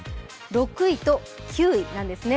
６位と９位なんですね。